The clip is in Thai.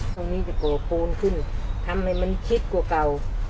ตรงนี้จะก่อปูนขึ้นทำให้มันชิดกว่าเก่า